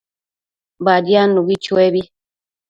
Badiadnubi chuebi